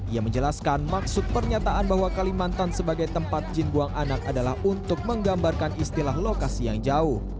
ia menjelaskan maksud pernyataan bahwa kalimantan sebagai tempat jin buang anak adalah untuk menggambarkan istilah lokasi yang jauh